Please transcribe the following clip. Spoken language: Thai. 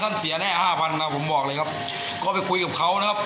เสียแน่ห้าพันนะผมบอกเลยครับก็ไปคุยกับเขานะครับ